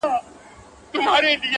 بل ملګری هم په لار کي ورپیدا سو!!